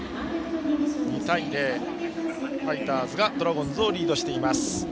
２対０とファイターズがドラゴンズをリードしています。